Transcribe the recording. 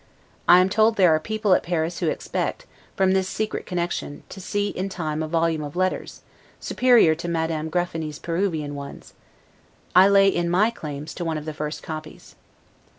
I am told there are people at Paris who expect, from this secret connection, to see in time a volume of letters, superior to Madame de Graffiny's Peruvian ones; I lay in my claim to one of the first copies.